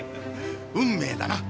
運命だな。